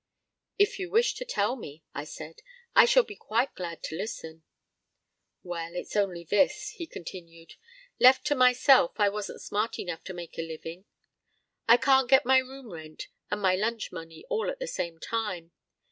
"If you wish to tell me," I said, "I shall be quite glad to listen." "Well, it's only this," he continued. "Left to myself, I wasn't smart enough to make a living. I can't get my room rent and my lunch money all at the same time.